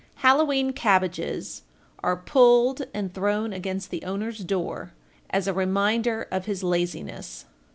1402. Halloween cabbages are pulled and thrown against the owner's door as a reminder of his laziness.